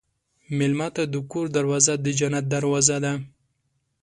مېلمه ته د کور دروازه د جنت دروازه ده.